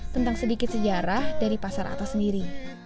tentang sedikit sejarah dari pasar atas sendiri